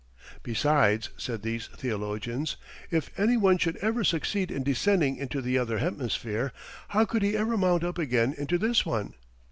"Besides," said these theologians, "if any one should ever succeed in descending into the other hemisphere, how could he ever mount up again into this one?"